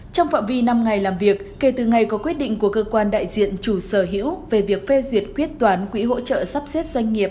trong phạm vi năm ngày làm việc kể từ ngày có quyết định của cơ quan đại diện chủ sở hữu về việc phê duyệt quyết toán quỹ hỗ trợ sắp xếp doanh nghiệp